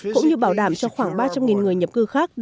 cũng như bảo đảm cho khoảng ba trăm linh người nhập cư khác